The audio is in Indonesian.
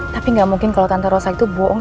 tapi gak mungkin kalau tante rosa itu bohong